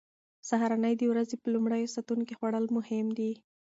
سهارنۍ د ورځې په لومړیو ساعتونو کې خوړل مهم دي.